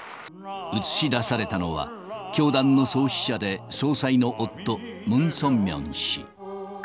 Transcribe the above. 映し出されたのは、教団の創始者で総裁の夫、ムン・ソンミョン氏。